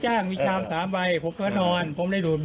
ให้ไหนนอนที่ไหน